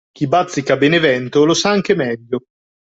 Chi bazzica Benevento lo sa anche meglio